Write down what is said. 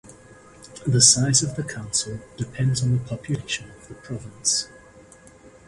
The size of the council depends of the population of the province.